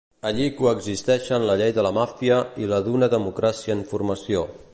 Allí coexisteixen la llei de la màfia i la d'una democràcia en formació.